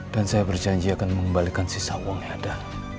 dan saya berjanji akan mengembalikan sisa uang yang ada